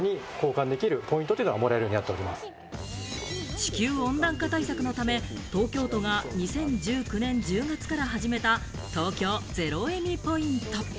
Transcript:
地球温暖化対策のため東京都が２０１９年１０月から始めた東京ゼロエミポイント。